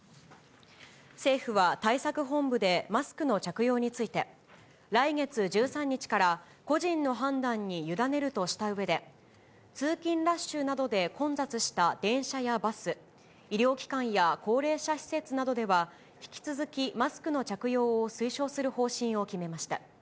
政府は対策本部で、マスクの着用について、来月１３日から個人の判断に委ねるとしたうえで、通勤ラッシュなどで混雑した電車やバス、医療機関や高齢者施設などでは、引き続きマスクの着用を推奨する方針を決めました。